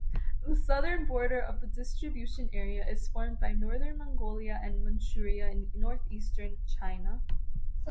The southern border of the distribution area is formed by northern Mongolia and Manchuria in northeastern China.